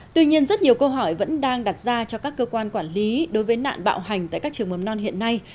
tuy nhiên rất nhiều câu hỏi vẫn đang đặt ra cho các cơ quan quản lý đối với nạn bạo hành tại các trường mầm non hiện nay